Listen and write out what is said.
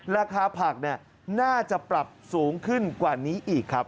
ราคาผักน่าจะปรับสูงขึ้นกว่านี้อีกครับ